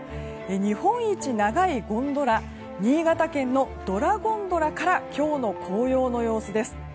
日本一長いゴンドラ新潟県のドラゴンドラから今日の紅葉の様子です。